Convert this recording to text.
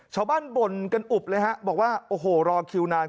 ชาวบ้านบ่นกันอุบเลยครับบอกว่าโอ้โหรอคิวนาน